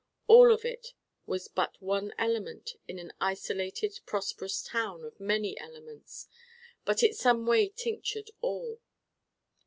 All of it was but one element in an isolated prosperous town of many elements, but it someway tinctured all.